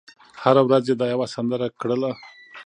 هره ورځ یې دا یوه سندره کړله